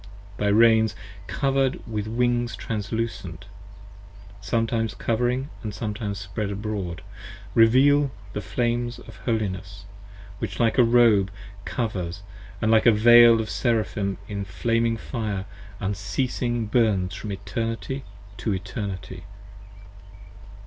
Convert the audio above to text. Thy Reins cover'd with Wings translucent, sometimes covering And sometimes spread abroad, reveal the flames of holiness, Which like a robe covers, & like a Veil of Seraphim 25 In flaming fire unceasing burns from Eternity to Eternity.